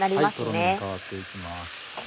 とろみに変わっていきます。